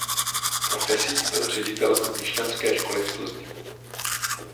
Profesí byl ředitelem měšťanské školy v Plzni.